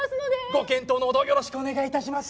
ご検討の程よろしくお願い致します。